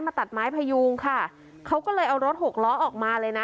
ตัดไม้พยูงค่ะเขาก็เลยเอารถหกล้อออกมาเลยนะ